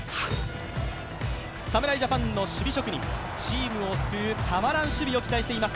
侍ジャパンの守備職人、チームを救うたまらん守備を担います